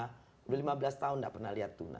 sudah lima belas tahun tidak pernah lihat tuna